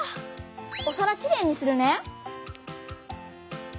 おさらきれいにするね。